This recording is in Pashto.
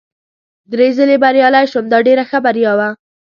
درې ځلي بریالی شوم، دا ډېره ښه بریا وه.